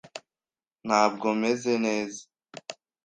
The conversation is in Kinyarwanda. Ntabwo meze neza